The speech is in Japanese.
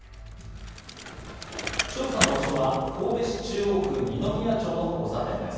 調査の場所は神戸市中央区二宮町の交差点です。